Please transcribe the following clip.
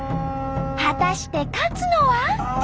果たして勝つのは。